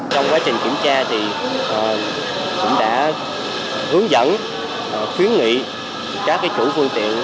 trong quá trình kiểm tra cũng đã hướng dẫn khuyến nghị các chủ phương tiện